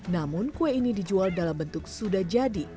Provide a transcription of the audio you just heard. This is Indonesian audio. namun kue ini dijual dalam bentuk sudah jadi